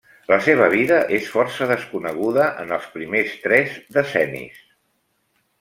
La seva vida és força desconeguda en els primers tres decennis.